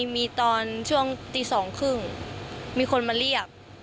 มีตอนช่วงตีสองครึ่งมีคนมาเรียก